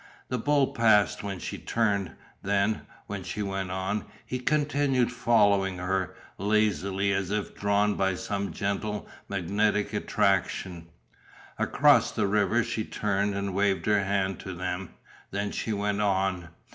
The bull paused when she turned, then, when she went on, he continued following her, lazily and as if drawn by some gentle magnetic attraction. Across the river she turned and waved her hand to them. Then she went on.